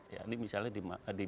ini misalnya di bawah seluruh